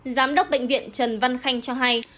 giám đốc bệnh viện trần văn khanh cho hay